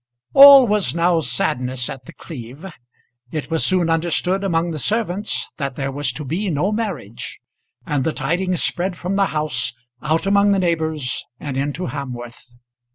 All was now sadness at The Cleeve. It was soon understood among the servants that there was to be no marriage, and the tidings spread from the house, out among the neighbours and into Hamworth.